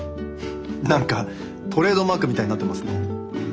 何かトレードマークみたいになってますね。